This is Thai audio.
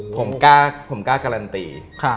ผมก้าวการันตี